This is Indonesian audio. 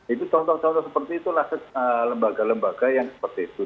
itu contoh contoh seperti itulah lembaga lembaga yang seperti itu